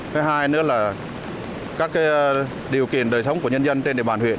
thứ hai nữa là các điều kiện đời sống của nhân dân trên địa bàn huyện